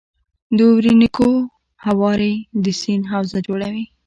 د اورینوکو هوارې د سیند حوزه جوړوي.